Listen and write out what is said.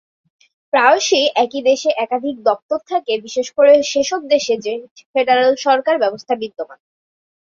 প্রায়শই একই দেশে একাধিক দপ্তর থাকে বিশেষ করে যেসব দেশে ফেডারেল সরকার ব্যবস্থা বিদ্যমান।